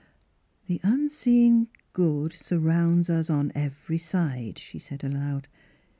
"' The unseen Good surrounds us on every side '" she said aloud.